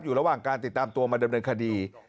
อยู่ระหว่างการติดตามตัวมาดำเนินคดี